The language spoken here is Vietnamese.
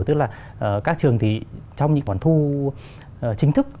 tức là các trường thì trong những khoản thu chính thức